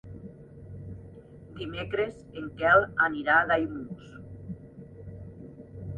Dimecres en Quel anirà a Daimús.